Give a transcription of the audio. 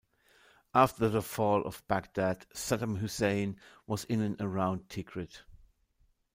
After the fall of Baghdad, Saddam Hussein was in and around Tikrit.